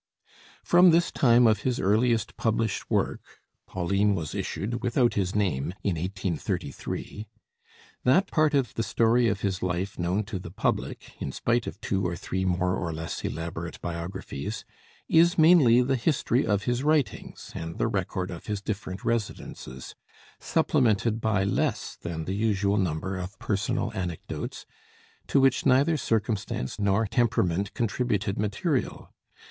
From this time of his earliest published work ('Pauline' was issued without his name in 1833) that part of the story of his life known to the public, in spite of two or three more or less elaborate biographies, is mainly the history of his writings and the record of his different residences, supplemented by less than the usual number of personal anecdotes, to which neither circumstance nor temperament contributed material.